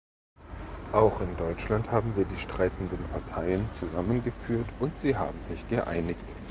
Auch in Deutschland haben wir die streitenden Parteien zusammengeführt, und sie haben sich geeinigt.